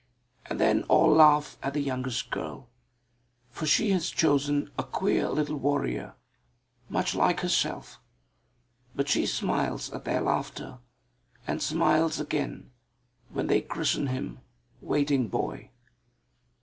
And then all laugh at the youngest girl, for she has chosen a queer little warrior, much like herself; but she smiles at their laughter, and smiles again when they christen him "Waiting Boy."